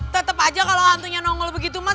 tetap aja kalau hantunya nongol begitu mas